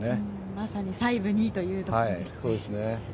まさに細部にということですね。